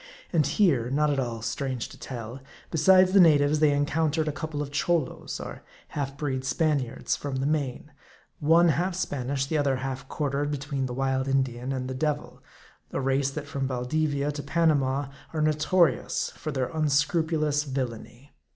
And here not at all strange to tell besides the natives, they encountered a couple of Cholos, or half breed Spaniards, from the Main ; one hUlf Spanish, the other half quartered between the wild Indian and the devil ; a race, that from Baldivia to Panama are notorious for their unscrupulous villainy.